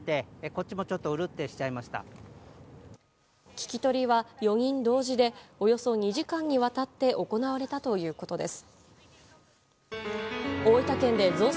聞き取りは４人同時でおよそ２時間にわたって行われたということです。